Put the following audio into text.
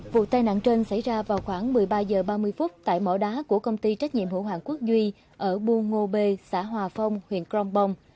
vụ tai nạn trên xảy ra vào khoảng một mươi ba h ba mươi tại mỏ đá của công ty trách nhiệm hữu hoạng quốc duy ở bu ngo bê xã hòa phong huyện cronbong